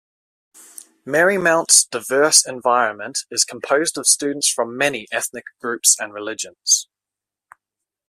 Marymount's diverse environment is composed of students from many ethnic groups and religions.